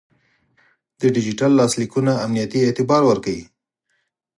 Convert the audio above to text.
د ډیجیټل لاسلیکونه امنیتي اعتبار ورکوي.